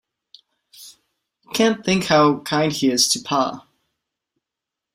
You can't think how kind he is to Pa.